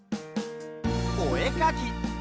「おえかき」！